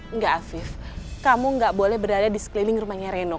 enggak afif kamu nggak boleh berada di sekeliling rumahnya reno